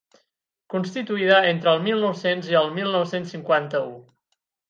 Constituïda entre el mil nou-cents i el mil nou-cents cinquanta-u.